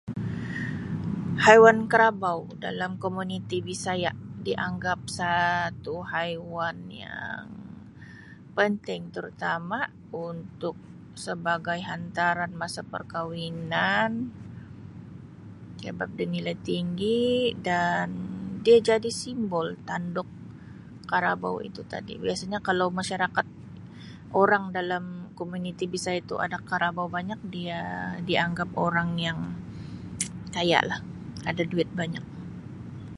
Haiwan karabau dalam komuniti bisaya dianggap satu haiwan yang penting terutama untuk sebagai hantaran masa perkahwinan sebab dia nilai tinggi dan dia jadi simbol tanduk karabau itu tadi biasanya kalau masyarakat orang dalam komuniti Bisaya itu ada karabau banyak dia dianggap orang yang kaya lah ada duit banyak.